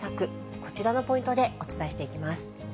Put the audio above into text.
こちらのポイントでお伝えしていきます。